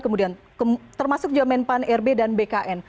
kemudian termasuk juga menpan rb dan bkn